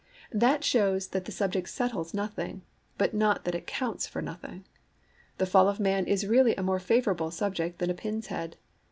That shows that the subject settles nothing, but not that it counts for nothing. The Fall of Man is really a more favourable subject than a pin's head.